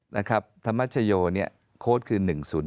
ทำตรชโยเนี่ยโค้ทคือ๑๐๑